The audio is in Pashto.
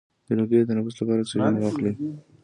د لوګي د تنفس لپاره اکسیجن واخلئ